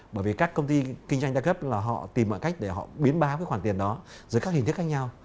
bởi vì các công ty kinh doanh đa cấp là họ tìm mọi cách để họ biến báo cái khoản tiền đó dưới các hình thức khác nhau